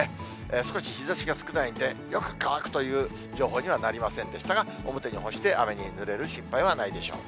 少し日ざしが少ないんで、よく乾くという情報にはなりませんでしたが、表に干して雨にぬれる心配はないでしょう。